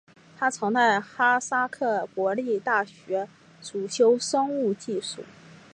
他曾在哈萨克国立大学主修生物技术。